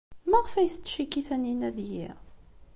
Maɣef ay tettcikki Taninna deg-i?